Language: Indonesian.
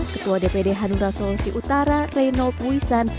ketua dpd hanura sulawesi utara renold wisan